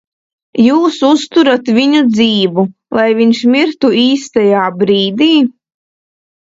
Jūs uzturat viņu dzīvu, lai viņš mirtu īstajā brīdī?